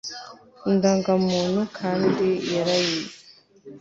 indangamuntu kandi yarayize